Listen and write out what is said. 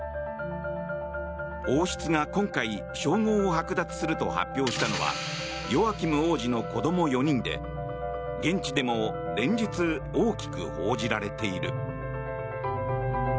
王室が、今回称号を剥奪すると発表したのはヨアキム王子の子供４人で現地でも連日、大きく報じられている。